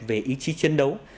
về ý chí chiến đấu